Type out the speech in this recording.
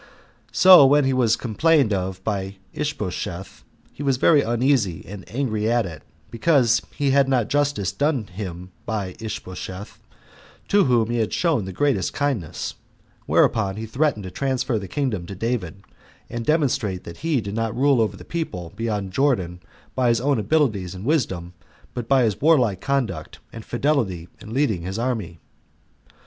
So when he was complained of by Ishbosheth, he was very uneasy and angry at it, because he had not justice done him by Ishbosheth, to whom he had shown the greatest kindness; whereupon he threatened to transfer the kingdom to David, and demonstrate that he did not rule over the people beyond Jordan by his own abilities and wisdom, but by his warlike conduct and fidelity in leading his army.